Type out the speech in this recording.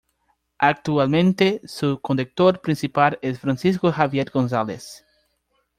Actualmente, su conductor principal es Francisco Javier González.